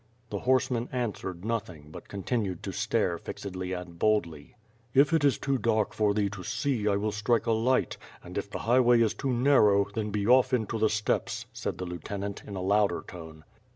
The horseman answered nothing, but continued to stare fiexdly and boldly. "Jf it is too dark for thee to see, I will strike a light; and if the highway is too narrow, then be off into the steppes," said the lieutenant, in a louder tone.